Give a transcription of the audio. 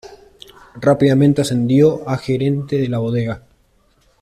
Rápidamente ascendió a gerente de la bodega.